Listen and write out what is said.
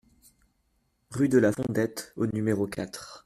Rue de la Fondette au numéro quatre